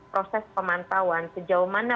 proses pemantauan sejauh mana